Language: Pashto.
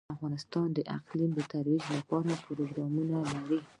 افغانستان د اقلیم د ترویج لپاره پروګرامونه لري.